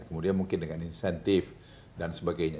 kemudian mungkin dengan insentif dan sebagainya